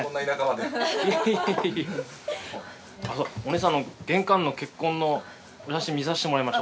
お姉さん玄関の結婚のお写真見させてもらいました。